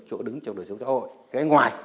chỗ đứng trong đội số châu âu